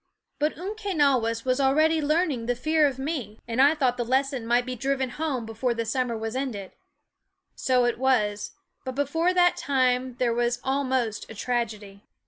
But Umquenawis was already learning the fear of me, and I thought the lesson might be driven home before the summer was ended. So it was ; but before that time there was almost a tragedy.